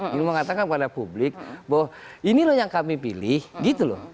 gak mau mengatakan kepada publik bahwa ini loh yang kami pilih gitu loh